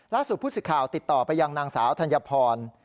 ผู้สิทธิ์ข่าวติดต่อไปยังนางสาวธัญพร